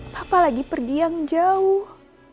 papa lagi pergi yang jauh